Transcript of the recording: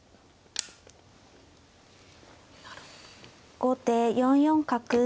後手４四角。